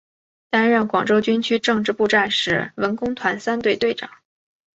担任广州军区政治部战士文工团三队队长。